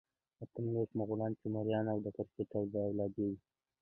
اتم لوست مغولان، تیموریان او د کرت اولادې دي.